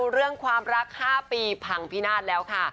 เรื่องความรัก๕ปีพังพินาศแล้วค่ะ